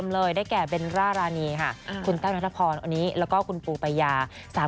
เหมือนได้แก่เบนร่ารานีค่ะคุณเต้นัทพรแล้วก็คุณปูปัญญา